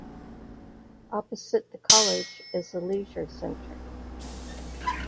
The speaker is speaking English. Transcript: Opposite the college is a leisure centre.